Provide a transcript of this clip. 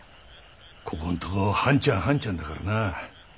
ここんとこ半ちゃん半ちゃんだからなあ。